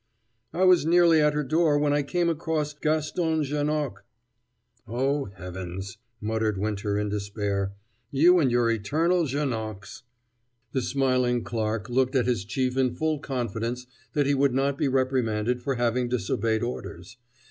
"I was nearly at her door when I came across Gaston Janoc " "Oh, Heavens!" muttered Winter in despair. "You and your eternal Janocs " The smiling Clarke looked at his chief in full confidence that he would not be reprimanded for having disobeyed orders.